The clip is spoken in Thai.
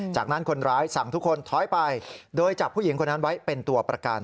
จากนั้นคนร้ายสั่งทุกคนถอยไปโดยจับผู้หญิงคนนั้นไว้เป็นตัวประกัน